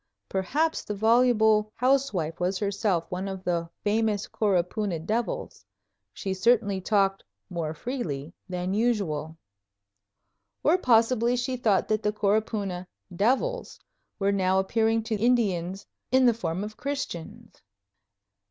Perhaps the voluble housewife was herself one of the famous Coropuna devils. She certainly talked "more freely" than usual. Or possibly she thought that the Coropuna "devils" were now appearing to Indians "in the form of" Christians!